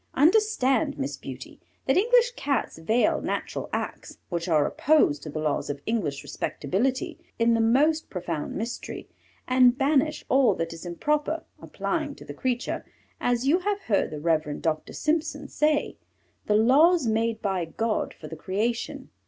"Understand, Miss Beauty, that English Cats veil natural acts, which are opposed to the laws of English respectability, in the most profound mystery, and banish all that is improper, applying to the creature, as you have heard the Reverend Doctor Simpson say, the laws made by God for the creation.